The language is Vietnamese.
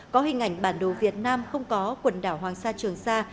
có hình ảnh bản đồ việt nam không có quần đảo hoàng sa trường sa